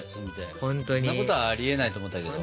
そんなことはありえないと思ったけど。